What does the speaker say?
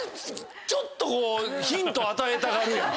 ちょっとヒント与えたがるやん。